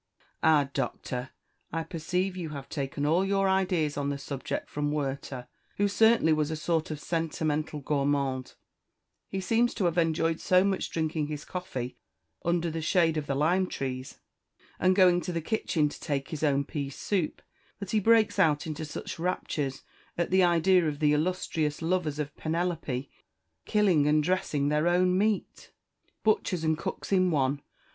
"Ah, Doctor, I perceive you have taken all your ideas on that subject from Werter, who certainly was a sort of a sentimental gourmand, he seems to have enjoyed so much drinking his coffee under the shade of the lime trees, and going to the kitchen to take his own pease soup; and then he breaks out into such raptures at the idea of the illustrious lovers of Penelope killing and dressing their own meat! Butchers and cooks in one!